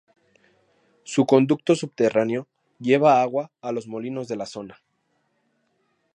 Su conducto subterráneo lleva agua a los molinos de la zona.